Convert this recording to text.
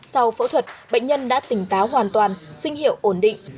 sau phẫu thuật bệnh nhân đã tỉnh táo hoàn toàn sinh hiệu ổn định